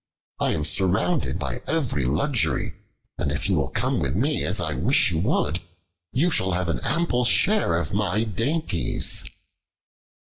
I am surrounded by every luxury, and if you will come with me, as I wish you would, you shall have an ample share of my dainties."